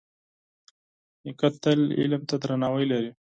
نیکه تل علم ته درناوی لري.